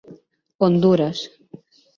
Hondures.